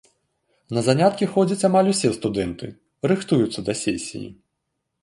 На заняткі ходзяць амаль усе студэнты, рыхтуюцца да сесіі.